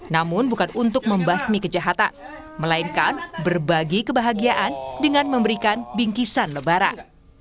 namun bukan untuk membasmi kejahatan melainkan berbagi kebahagiaan dengan memberikan bingkisan lebaran